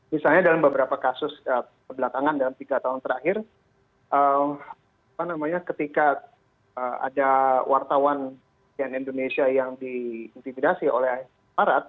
misalnya dalam beberapa kasus belakangan dalam tiga tahun terakhir ketika ada wartawan yang indonesia yang diintimidasi oleh parat